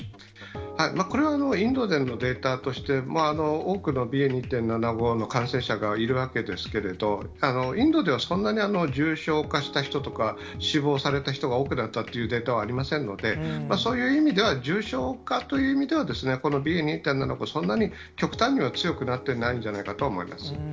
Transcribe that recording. これは、インドでのデータとして、多くのＢＡ．２．７５の感染者がいるわけですけど、インドではそんなに重症化した人とか、死亡された人が多くなったというデータはありませんので、そういう意味では重症化という意味ではこのＢＡ．２．７５、そんなに極端には強くなってないんじゃないかとは思います。